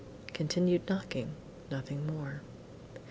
Continued knocking nothing more.